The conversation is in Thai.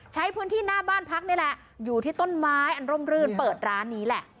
ใช้พื้นที่หน้าบ้านพักนี่แหละอยู่ที่ต้นไม้อันร่มรื่นเปิดร้านนี้แหละ